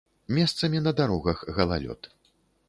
Месцамі на дарогах галалёд.